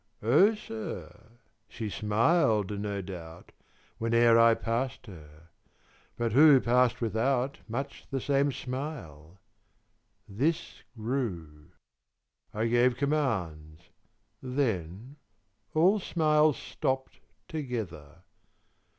Oh sir, she smiled, no doubt, Whene'er I passed her; but who passed without Much the same smile? This grew; I gave commands; Then all smiles stopped together.